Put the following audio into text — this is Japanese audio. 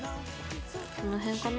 この辺かな？